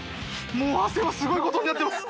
もう汗はすごいことになってます。